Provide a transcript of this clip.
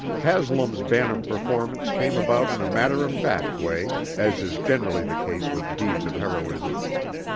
Haslam's banner performance came about in a matter of fact way, as is generally the case with deeds of heroism.